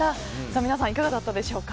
皆さん、いかがだったでしょうか。